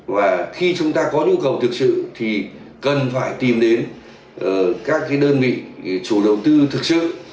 và khi chúng ta có nhu cầu thực sự thì cần phải tìm đến các đơn vị chủ đầu tư thực sự